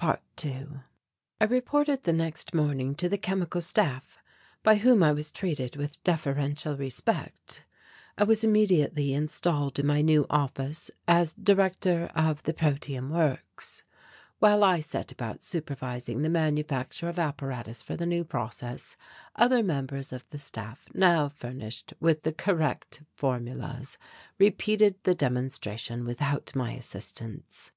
~2~ I reported the next morning to the Chemical Staff, by whom I was treated with deferential respect. I was immediately installed in my new office, as Director of the Protium Works. While I set about supervising the manufacture of apparatus for the new process, other members of the staff, now furnished with the correct formulas repeated the demonstration without my assistance.